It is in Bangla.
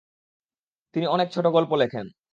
তিনি অনেক ছোটগল্প লেখেন।